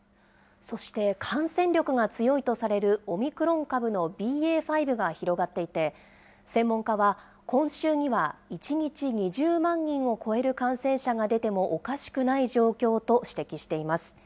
そして感染力が強いとされるオミクロン株のＢＡ．５が広がっていて、専門家は、今週には１日２０万人を超える感染者が出てもおかしくない状況と指摘しています。